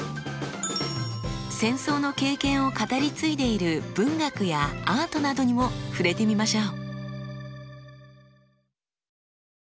戦争の経験を語り継いでいる文学やアートなどにも触れてみましょう。